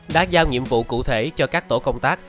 đã giao nhiệm vụ cụ thể cho các tổ công tác